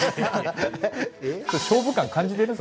勝負感感じてる？